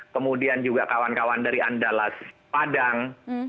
kemudian juga kawan kawan dari andalas padang